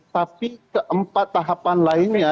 tapi keempat tahapan lainnya